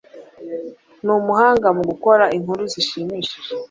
Ni umuhanga mu gukora inkuru zishimishije.